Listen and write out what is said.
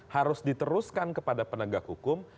harus diteruskan kepada penegak hukum